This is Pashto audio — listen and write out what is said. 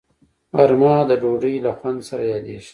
غرمه د ډوډۍ له خوند سره یادیږي